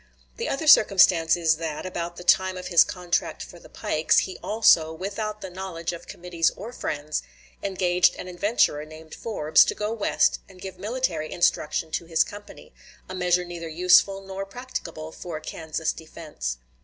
The other circumstance is that, about the time of his contract for the pikes, he also, without the knowledge of committees or friends, engaged an adventurer, named Forbes, to go West and give military instruction to his company a measure neither useful nor practicable for Kansas defense.